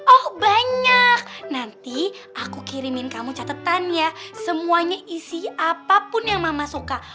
oh banyak nanti aku kirimin kamu catatannya semuanya isi apapun yang mama suka